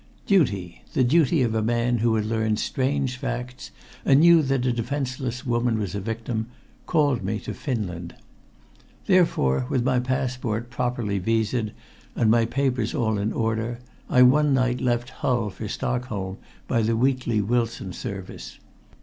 Duty the duty of a man who had learned strange facts and knew that a defenseless woman was a victim called me to Finland. Therefore, with my passport properly viséd and my papers all in order, I one night left Hull for Stockholm by the weekly Wilson service.